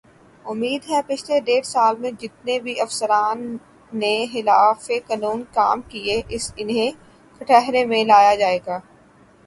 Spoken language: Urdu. امید ہے پچھلے ڈیڑھ سال میں جتنے بھی افسران نے خلاف قانون کام کیے انہیں کٹہرے میں لایا جائے گا